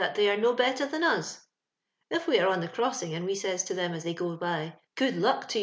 407 they are no better than us ! If we are on the orossinff, and we says to them as they gu by, *■ Good Tuck to you !